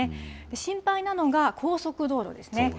心配なのが、高速道路ですね。